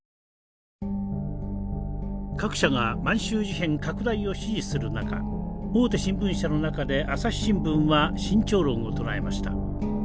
各社が満州事変拡大を支持する中大手新聞社の中で朝日新聞は慎重論を唱えました。